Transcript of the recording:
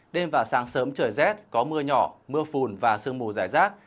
đêm và sáng sớm trời rét có mưa nhỏ mưa phùn và sương mù giải rác